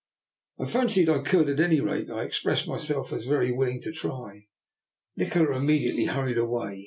" I fancied I could; at any rate, I expressed myself as very willing to try. Nikola imme diately hurried away.